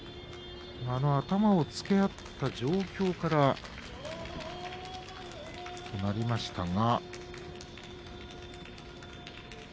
頭をつけ合った状況からになりましたが。